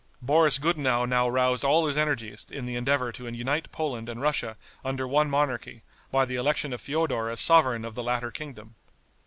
Boris Gudenow now roused all his energies in the endeavor to unite Poland and Russia under one monarchy by the election of Feodor as sovereign of the latter kingdom.